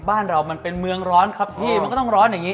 บ้านเรามันเป็นเมืองร้อนครับพี่มันก็ต้องร้อนอย่างนี้